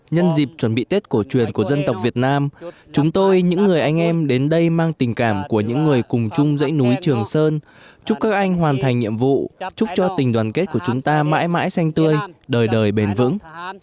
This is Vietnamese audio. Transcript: nhân dịp chuẩn bị tết cổ truyền của dân tộc việt nam chúng tôi những người anh em đến đây mang tình cảm của những người cùng chung dãy núi trường sơn chúc các anh hoàn thành nhiệm vụ chúc cho tình đoàn kết của chúng ta mãi mãi xanh tươi đời đời bền vững